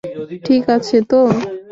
ঠিক আছে তো?